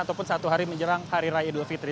ataupun satu hari menjelang hari raya idul fitri